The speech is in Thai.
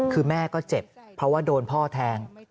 คือแม่ก็เจ็บเพราะว่าโดนพ่อแทง